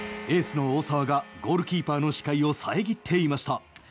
エースの大澤がゴールキーパーの視界を遮っていました。